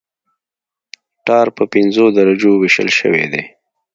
ټار په پنځو درجو ویشل شوی دی